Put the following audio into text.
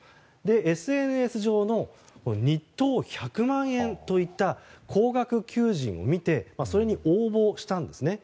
ＳＮＳ上の日当１００万円といった高額求人を見てそれに応募したんですね。